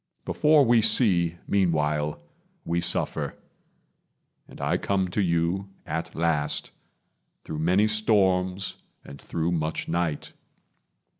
Before we see, Meanwhile, we suffer; and I come to you, At last, through many storms and through much night.